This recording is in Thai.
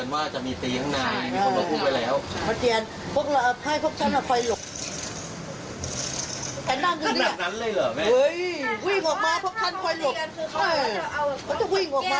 วัยหกอีกเยอะ